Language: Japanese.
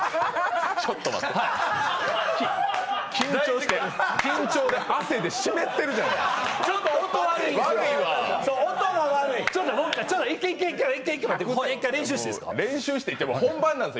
ちょっと待って、緊張で汗で湿ってるじゃないですか。